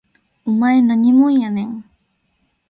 お前何もんやねん